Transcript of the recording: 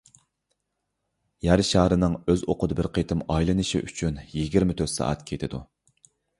يەر شارىنىڭ ئۆز ئوقىدا بىر قېتىم ئايلىنىشى ئۈچۈن يىگىرمە تۆت سائەت كېتىدۇ.